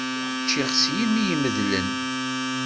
Ččiɣ s yimi imedlen.